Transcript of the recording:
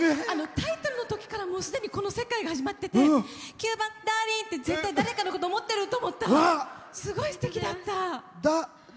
タイトルのときからすでに、この世界が始まってて「９番「Ｄａｒｌｉｎｇ」」って絶対誰かのこと思ってるってすごいすてきだった。